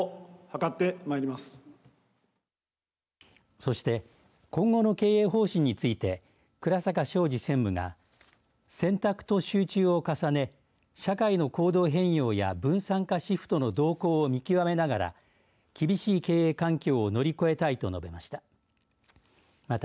そして、今後の経営方針について倉坂昇治専務が選択と集中を重ね社会の行動変容や分散化シフトの動向を見極めながら厳しい経営環境を乗り越えたいと述べました。